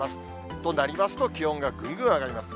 となりますと、気温がぐんぐん上がります。